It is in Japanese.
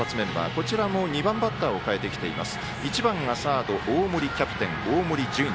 こちらも２番バッターを代えてきています。